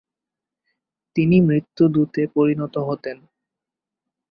তিনি মৃত্যুদূতে পরিণত হতেন।